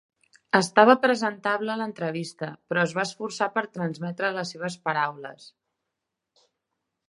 Estava presentable a l'entrevista, però es va esforçar per transmetre les seves paraules.